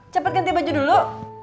cepat ganti baju dulu